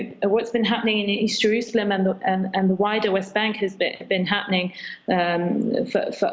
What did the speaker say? apa yang telah berlaku di east jerusalem dan di bank barat yang lebih luas telah berlaku